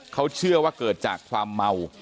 เขาเชื่อว่าเกิดจากความเมา